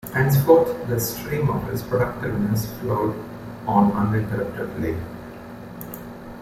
Henceforth the stream of his productiveness flowed on uninterruptedly.